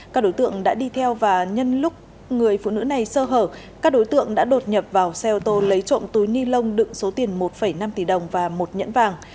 các đối tượng đã đi theo và nhân lúc người phụ nữ này sơ hở các đối tượng đã đột nhập vào xe ô tô lấy trộm túi ni lông đựng số tiền một năm tỷ đồng và một nhẫn vàng